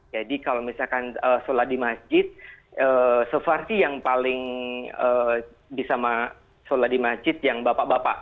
jadi kalau misalkan salat di masjid sepasti yang paling bisa salat di masjid yang bapak bapak